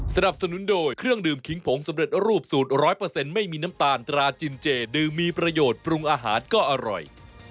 สนับสนุนโดยเครื่องดื่มขิงผงสำเร็จรูปสูตร๑๐๐ไม่มีน้ำตาลตราจินเจดื่มมีประโยชน์ปรุงอาหารก็อร่อย